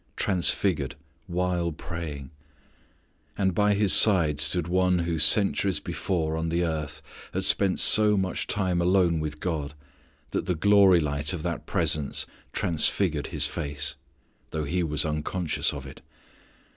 _Transfigured while praying! _ And by His side stood one who centuries before on the earth had spent so much time alone with God that the glory light of that presence transfigured his face, though he was unconscious of it.